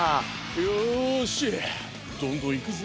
よしどんどんいくぜ。